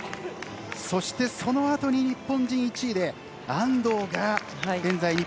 そしてそのあとに日本人１位で安藤が現在。